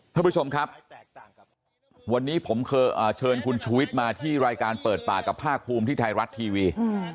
ท่านผู้ชมครับวันนี้ผมเคยเชิญคุณชูวิทย์มาที่รายการเปิดปากกับภาคภูมิที่ไทยรัฐทีวี